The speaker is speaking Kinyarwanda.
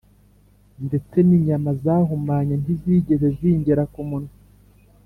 ndetse n’inyama zahumanye ntizigeze zingera ku munwa